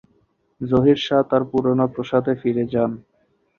জহির শাহ তার পুরনো প্রাসাদে ফিরে যান।